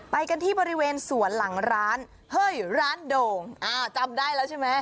ไปกันที่บริเวณสวนหลังร้านเฮ้ยร้านโด่งอ่าจำได้แล้วใช่ไหม